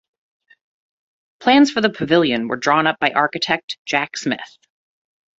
Plans for the pavilion were drawn by architect Jack Smith.